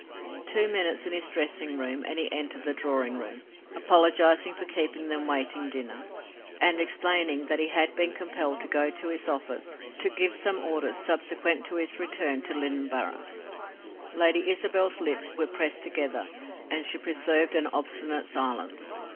Two minutes in his dressing room, and he entered the drawing room, apologizing for keeping them waiting dinner, and explaining that he had been compelled to go to his office to give some orders subsequent to his return to Lynneborough. Lady Isabel's lips were pressed together, and she preserved an obstinate silence.